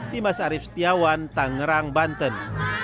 dimas arief setiawan tangerang banten